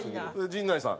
陣内さん。